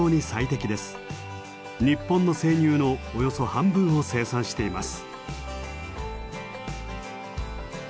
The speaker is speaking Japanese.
日本の生乳のおよそ半分を生産しています。